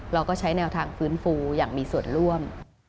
เราก็ใช้แนวทางฟื้นฟูอย่างมีส่วนร่วม